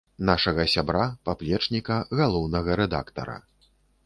Нашага сябра, паплечніка, галоўнага рэдактара.